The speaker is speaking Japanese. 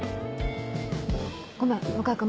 ごめん向井君